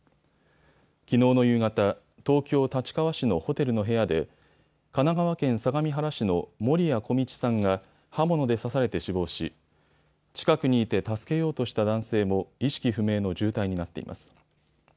きのうの夕方、東京立川市のホテルの部屋で神奈川県相模原市の守屋径さんが刃物で刺されて死亡し近くにいて助けようとした男性も意識不明の重体になっています。